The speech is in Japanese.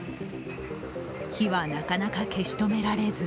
火はなかなか消し止められず